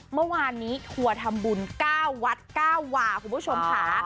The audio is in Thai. เมื่อวานนี้ทัวร์ทำบุญ๙วัด๙วาคุณผู้ชมค่ะ